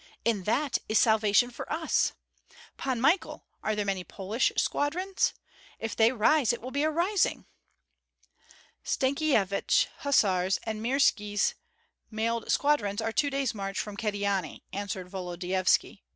"In that is salvation for us. Pan Michael, are there many Polish squadrons? If they rise, it will be a rising!" "Stankyevich's hussars and Mirski's mailed squadrons are two days' march from Kyedani," answered Volodyovski.